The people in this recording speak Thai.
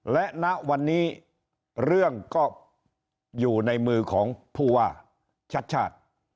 และณวันนี้เรื่องก็อยู่ในมือของผู้ว่าชัดชาติ